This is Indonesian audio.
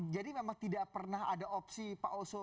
jadi memang tidak pernah ada opsi pak oso